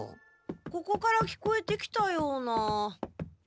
ここから聞こえてきたような。